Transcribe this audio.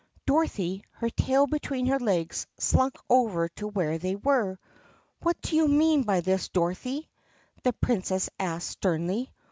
Dorothy, her tail between her legs, slunk over to where they were. "What do you mean by this, Dorothy*?" the Princess asked sternly.